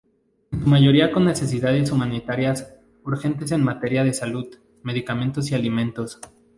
En su mayoría con necesidades humanitarias urgentes en materia de salud, medicamentos y alimentos.